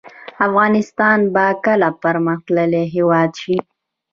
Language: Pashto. افغانستان به کله پرمختللی هیواد شي؟